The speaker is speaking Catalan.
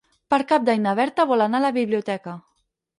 Per Cap d'Any na Berta vol anar a la biblioteca.